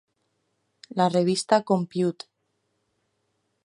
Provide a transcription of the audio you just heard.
La revista "Compute!